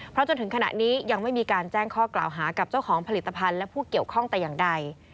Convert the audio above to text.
เพราะจนถึงขณะนี้ยังไม่มีการแจ้งข้อกล่าวหากับเจ้าของผลิตภัณฑ์และผู้เกี่ยวข้องแต่อย่างใด